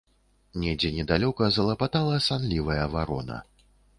Недзе недалёка залапатала санлівая варона.